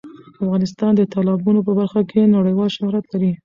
افغانستان د تالابونو په برخه کې نړیوال شهرت لري.